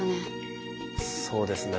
そうですね。